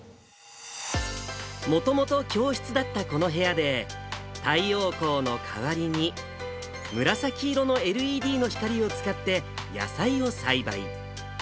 もともと教室だったこの部屋で、太陽光の代わりに紫色のＬＥＤの光を使って野菜を栽培。